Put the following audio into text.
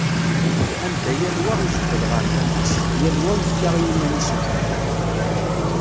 Anda yal wa ijebbed ɣer tama-s, yal wa yefka i yiman-is lḥeqq.